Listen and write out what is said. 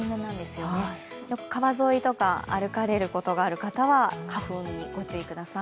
よく川沿いとか歩かれることがある方は花粉に御注意ください。